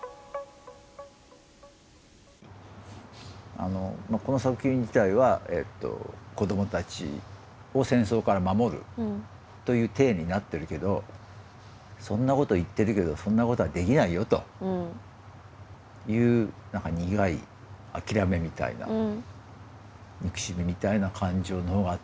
あのまあこの作品自体は子どもたちを戦争から守るという体になってるけど「そんなこと言ってるけどそんなことはできないよ」という何か苦い諦めみたいな憎しみみたいな感情の方が強かったのかな。